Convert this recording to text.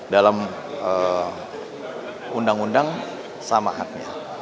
dalam undang undang sama haknya